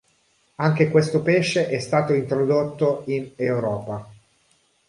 Anche questo pesce è stato introdotto in Europa.